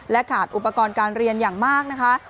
ขาดอุปกรณ์การเรียนอย่างมากนะคะ